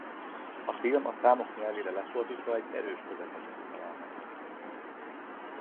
A film a számok nyelvére lefordítva egy erős közepesnek felel meg.